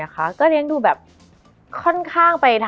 มันทำให้ชีวิตผู้มันไปไม่รอด